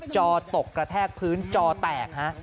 จอตกกระแทกพื้นจอแตกฮะ